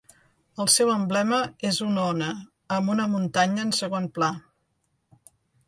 El seu emblema és una ona, amb una muntanya en segon pla.